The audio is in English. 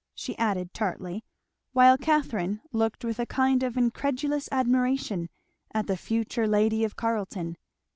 she added tartly; while Catherine looked with a kind of incredulous admiration at the future lady of Carleton.